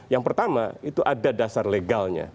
yang pertama itu ada dasar legalnya